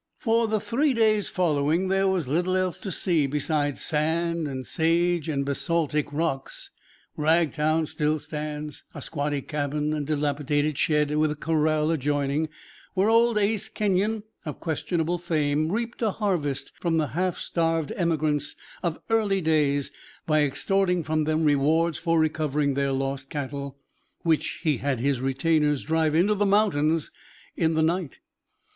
For the three days following there was little else to see besides sand and sage and basaltic rocks. Ragtown still stands, a squatty cabin and dilapidated shed with corral adjoining, where old Ace Kenyon of questionable fame reaped a harvest from the half starved emigrants of early days by extorting from them rewards for recovering their lost cattle, which he had had his retainers drive into the mountains in the night.